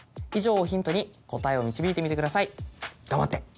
以上をヒントに答えを導いてみてください。